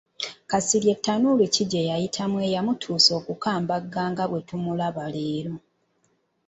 Kasirye tanuulu ki gye yayitamu eyamutuusa okukambagga nga bwe tumulaba leero?